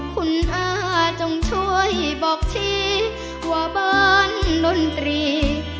คุณอาจงช่วยบอกทีว่าบ้านดนตรี